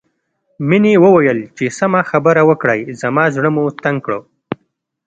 مينې وويل چې سمه خبره وکړئ زما زړه مو تنګ کړ